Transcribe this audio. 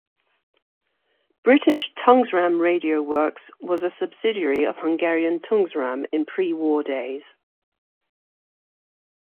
British Tungsram Radio Works was a subsidiary of Hungarian Tungsram in pre-war days.